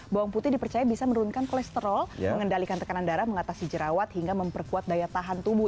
bawang putih dipercaya bisa menurunkan kolesterol mengendalikan tekanan darah mengatasi jerawat hingga memperkuat daya tahan tubuh